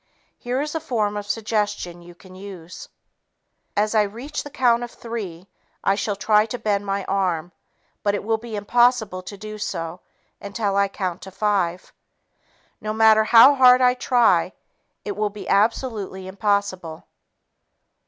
Here is a form of suggestion you can use: "As I reach the count of three, I shall try to bend my arm, but it will be impossible to do so until I count to five. No matter how hard I try, it will be absolutely impossible.